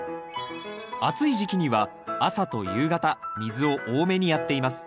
暑い時期には朝と夕方水を多めにやっています。